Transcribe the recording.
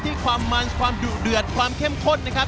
ความมันความดุเดือดความเข้มข้นนะครับ